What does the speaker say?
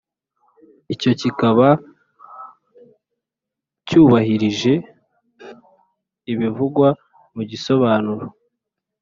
Icyo kikaba cyubahirije ibivugwa mu gisobanuro